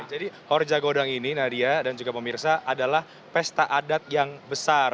jadi horja godang ini nadia dan juga pemirsa adalah pesta adat yang besar